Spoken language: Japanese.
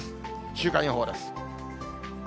週間予報です。